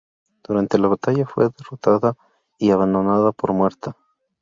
Durante la batalla, fue derrotada y abandonada por muerta.